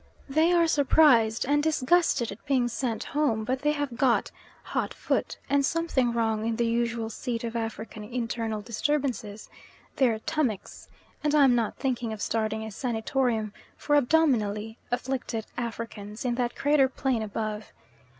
They are surprised and disgusted at being sent home, but they have got "hot foot," and something wrong in the usual seat of African internal disturbances, their "tummicks," and I am not thinking of starting a sanatorium for abdominally afflicted Africans in that crater plain above.